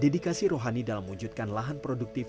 dedikasi rohani dalam wujudkan lahan produktif